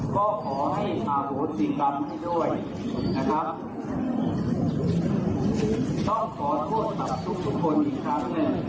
ขอเป็นคนท่าสมเทศรู้สึกเปลี่ยนกัน